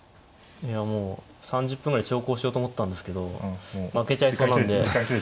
いやもう３０分ぐらい長考しようと思ったんですけど負けちゃいそうなんで。